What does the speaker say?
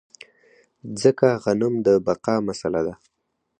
ځکه غنم د بقا مسئله ده.